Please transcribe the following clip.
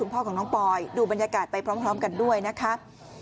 พ่อของน้องปอยดูบรรยากาศไปพร้อมกันด้วยนะคะ